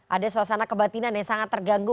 ada suasana kebatinan yang sangat terganggu